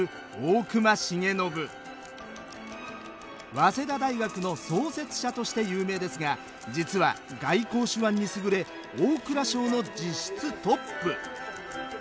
早稲田大学の創設者として有名ですが実は外交手腕に優れ大蔵省の実質トップ。